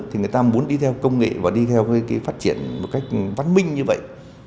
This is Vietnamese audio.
thì người ta muốn đi theo công nghệ và đi theo phát triển một cách văn minh như vậy